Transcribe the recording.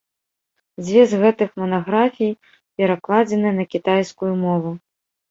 Дзве з гэтых манаграфій перакладзены на кітайскую мову.